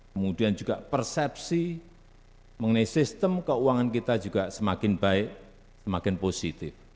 kemudian juga persepsi mengenai sistem keuangan kita juga semakin baik semakin positif